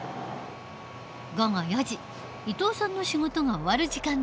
午後４時伊藤さんの仕事が終わる時間だ。